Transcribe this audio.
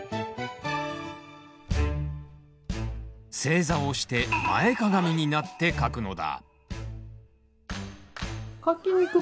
正座をして前かがみになって書くのだ。